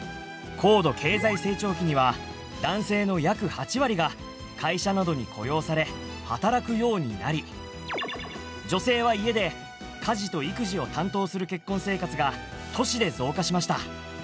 「高度経済成長期には男性の約８割が会社などに雇用され働くようになり女性は家で家事と育児を担当する結婚生活が都市で増加しました。